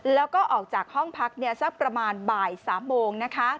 แล้วก็ออกจากห้องพักสักประมาณบ่าย๓โมงนะคะ